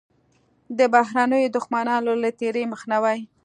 د بهرنیو دښمنانو له تېري مخنیوی.